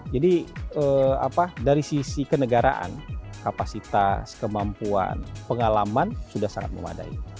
jadi dari sisi kenegaraan kapasitas kemampuan pengalaman sudah sangat memadai